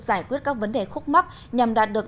giải quyết các vấn đề khúc mắc nhằm đạt được